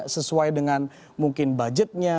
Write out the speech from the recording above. sesuai dengan mungkin budgetnya